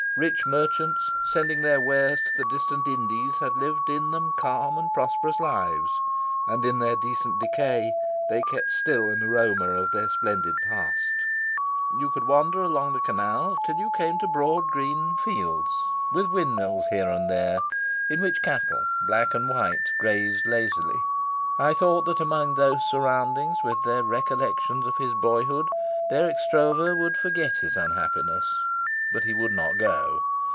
Rich merchants, sending their wares to the distant Indies, had lived in them calm and prosperous lives, and in their decent decay they kept still an aroma of their splendid past. You could wander along the canal till you came to broad green fields, with windmills here and there, in which cattle, black and white, grazed lazily. I thought that among those surroundings, with their recollections of his boyhood, Dirk Stroeve would forget his unhappiness. But he would not go.